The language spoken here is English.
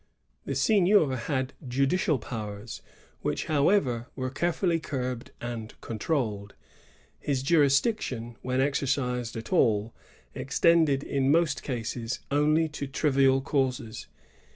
The seignior had judicial powers, which, however, were carefully curbed and controlled. His jurisdic tion, when exercised at all, extended in most cases only to trivial causes.